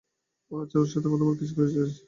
আজ ওর সাথে প্রথমবার কিস করেছিস?